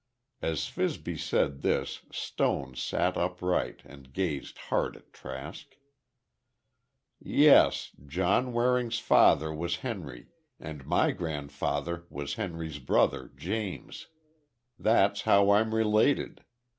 As Fibsy said this, Stone sat upright, and gazed hard at Trask. "Yes, John Waring's father was Henry, and my grandfather was Henry's brother James. That's how I'm related.